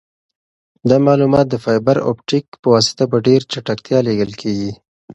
دا معلومات د فایبر اپټیک په واسطه په ډېر چټکتیا لیږل کیږي.